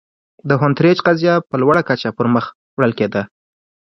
د هونټریج قضیه په لوړه کچه پر مخ وړل کېده.